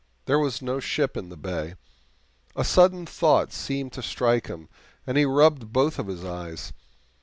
There was no ship in the bay. A sudden thought seemed to strike him, and he rubbed both of his eyes.